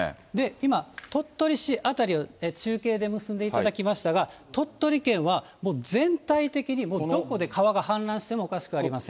今、鳥取市辺りを中継で結んでいただきましたが、鳥取県は、もう全体的にどこで川が氾濫してもおかしくありません。